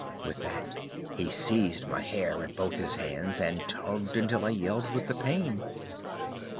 With that he seized my hair in both his hands, and tugged until I yelled with the pain.